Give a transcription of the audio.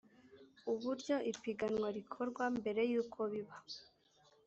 uburyo ipiganwa rikorwa mbere y ukobiba